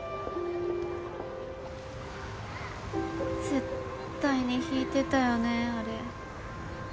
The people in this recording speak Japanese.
絶対に引いてたよねあれ。